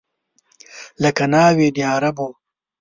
لکه ناوې د عربو